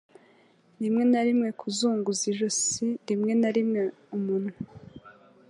rimwe na rimwe kuzunguza ijosi rimwe na rimwe umunwa